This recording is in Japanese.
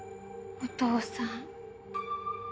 お父さん。